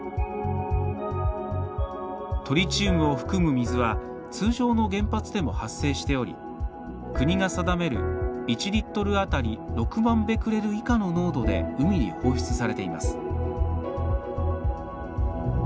トリチウムを含む水は通常の原発でも発生しており国が定める１リットルあたり６万ベクレル以下の濃度で海に放出されています。